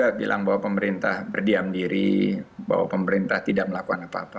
saya bilang bahwa pemerintah berdiam diri bahwa pemerintah tidak melakukan apa apa